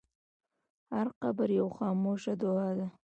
هر قبر یوه خاموشه دعا ده.